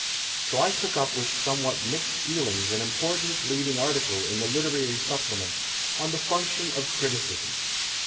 So I took up with somewhat mixed feelings an important leading article in tiie Literary Supplement on " The Function of Criticism."